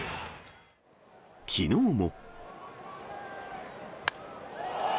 きのうも。